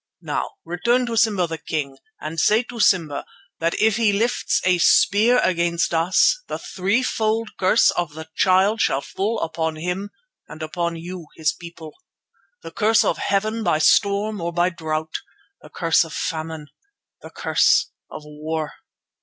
Now return to Simba the King, and say to Simba that if he lifts a spear against us the threefold curse of the Child shall fall upon him and upon you his people: The curse of Heaven by storm or by drought. The curse of famine. The curse of war.